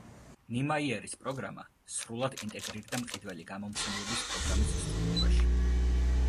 ნიმაიერის პროგრამა სრულად ინტეგრირდა მყიდველი გამომცემლობის პროგრამის სტრუქტურაში.